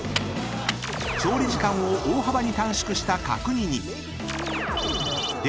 ［調理時間を大幅に短縮した角煮に］